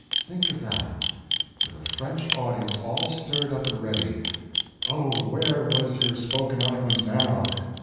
Think of that, with a French audience all stirred up and ready. Oh, where was your spoken eloquence now!